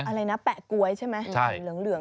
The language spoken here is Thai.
อะไรนะแปะก๊วยใช่ไหม